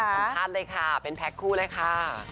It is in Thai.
ขอขอบคุณภาษณ์เลยค่ะเป็นแพลกคู่เลยค่ะ